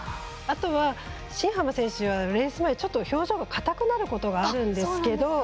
あとは、新濱選手、レース前ちょっと表情が硬くなることがあるんですけど